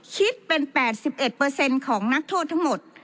คิดเป็นแปดสิบเอ็ดเปอร์เซ็นต์ของนักโทษทั้งหมด